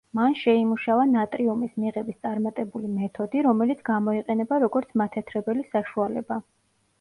მან შეიმუშავა ნატრიუმის მიღების წარმატებული მეთოდი, რომელიც გამოიყენება, როგორც მათეთრებელი საშუალება.